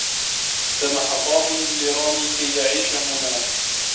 سمح فاضل لرامي كي يعيش هناك.